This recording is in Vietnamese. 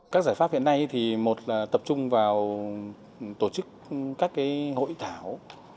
các giải pháp hiện nay thì một là tập trung vào tổ chức các hội thảo